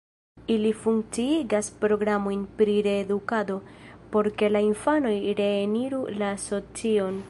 Ili funkciigas programojn pri reedukado, por ke la infanoj reeniru la socion.